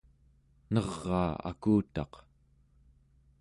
neraa akutaq